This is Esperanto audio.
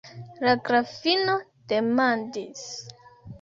La grafino demandis: